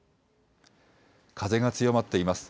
風が強まっています。